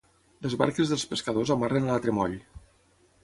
Les barques dels pescadors amarren a l'altre moll.